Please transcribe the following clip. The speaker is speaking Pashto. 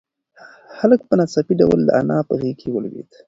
هلک په ناڅاپي ډول د انا په غېږ کې ولوېد.